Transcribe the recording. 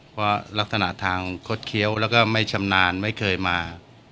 เพราะลักษณะทางคดเคี้ยวแล้วก็ไม่ชำนาญไม่เคยมา